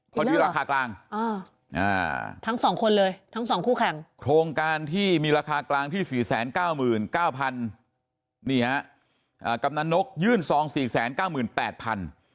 พอดีราคากลางทั้งสองคนเลยทั้งสองคู่แข่งโครงการที่มีราคากลางที่๔๙๙๐๐นี่ฮะกำนันนกยื่นซอง๔๙๘๐๐บาท